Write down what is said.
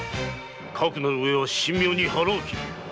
かくなるうえは神妙に腹を切れ！